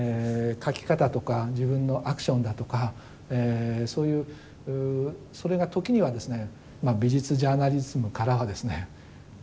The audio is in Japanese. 描き方とか自分のアクションだとかそういうそれが時にはですね美術ジャーナリズムからはですね